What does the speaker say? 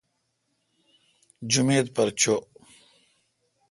جمیت پر چو۔